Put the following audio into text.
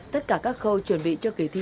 tất cả các khâu chuẩn bị cho kỳ thi